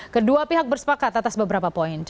kedua pihak bersepakat atas beberapa poin